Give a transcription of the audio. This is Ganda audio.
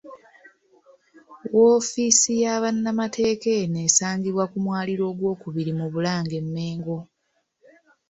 Woofiisi ya bannamateeka eno esangibwa ku mwaliro ogwokubiri mu Bulange e Mmengo.